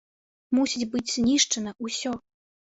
Мусіць быць знішчана ўсё!